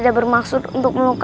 jangan lupa seseorang